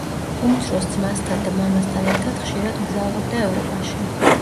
უმცროს ძმასთან და მამასთან ერთად ხშირად მგზავრობდა ევროპაში.